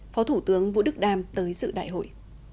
phó thủ tướng vũ đức đam tới dự đại hội